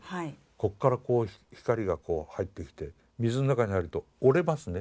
こっからこう光がこう入ってきて水の中に入ると折れますね。